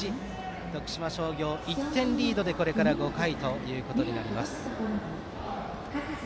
徳島商業１点リードでこれから５回となります。